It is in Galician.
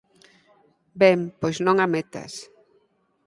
Ben, pois non a metas.